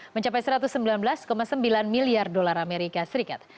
mencapai satu ratus sembilan belas sembilan miliar dolar amerika serikat